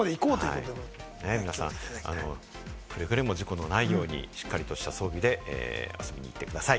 皆さん、くれぐれも事故のないように、しっかりとした装備で遊びに行ってください。